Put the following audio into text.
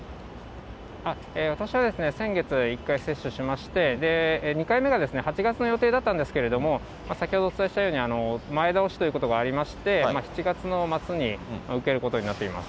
私は先月、１回接種しまして、２回目が８月の予定だったんですけれども、先ほどお伝えしたように、前倒しということがありまして、７月の末に受けることになっています。